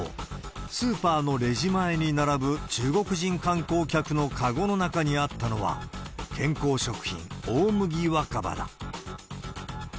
スーパーのレジ前に並ぶ中国人観光客の籠の中にあったのは、健康食品、大麦若葉だ。